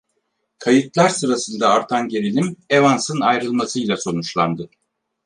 Kayıtlar sırasında artan gerilim, Evans‘ın ayrılmasıyla sonuçlandı.